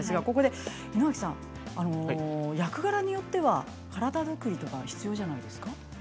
井之脇さん、役柄によっては体作りとか必要じゃないですか。